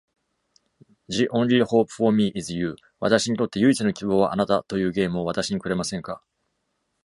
「The Only Hope for Me Is You」(私にとって唯一の希望はあなた)というゲームを私にくれませんか?